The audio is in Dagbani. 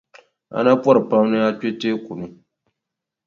A na pɔri pam ni a kpe teeku ni.